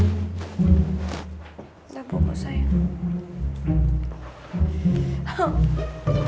udah bukuk sayang